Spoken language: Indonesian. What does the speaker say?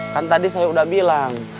kan tadi saya udah bilang